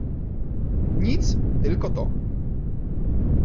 "Nic, tylko to..."